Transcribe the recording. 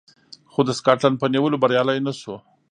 خو د سکاټلنډ په نیولو بریالی نه شو